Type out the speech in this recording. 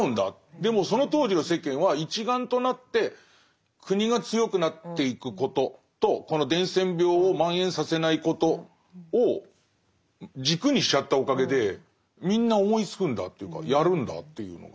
でもその当時の世間は一丸となって国が強くなっていくこととこの伝染病を蔓延させないことを軸にしちゃったおかげでみんな思いつくんだっていうかやるんだっていうのが。